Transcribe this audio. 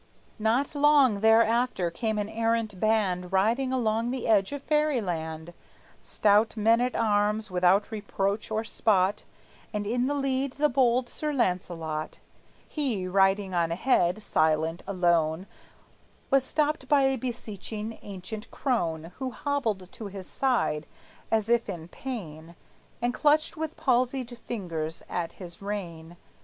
Not long thereafter came an errant band Riding along the edge of Fairyland, Stout men at arms, without reproach or spot, And in the lead the bold Sir Launcelot. He, riding on ahead, silent, alone, Was stopped by a beseeching ancient crone Who hobbled to his side, as if in pain, And clutched with palsied fingers at his rein.